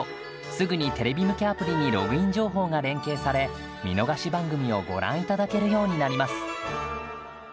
すぐにテレビ向けアプリにログイン情報が連携され見逃し番組をご覧いただけるようになります。